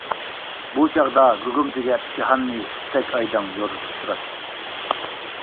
بۇ چاغدا گۇگۇم تۈگەپ جاھاننى سۈتتەك ئايدىڭ يورۇتۇپ تۇراتتى.